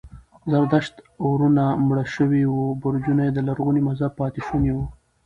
زردشت اورونه مړه شوي وو، برجونه یې د لرغوني مذهب پاتې شوني و.